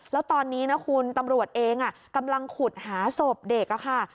แล้วตอนนี้นะคุณตำรวจเองกำลังขุดหาศพเด็กค่ะ